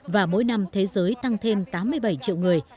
và mỗi năm thế giới tăng thêm tám mươi bảy triệu người